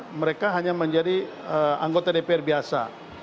lalu di dpr mereka hanya menjadi anggota dpr biasa